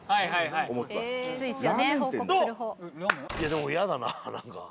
でも嫌だな何か。